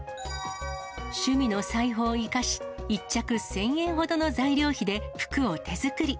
趣味の裁縫を生かし、１着１０００円ほどの材料費で、服を手作り。